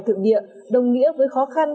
thượng địa đồng nghĩa với khó khăn